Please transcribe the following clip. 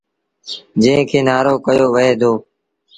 جݩهݩ کي نآرو ڪهيو وهي دو۔